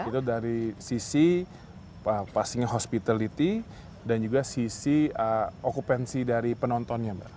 itu dari sisi pastinya hospitality dan juga sisi okupansi dari penontonnya mbak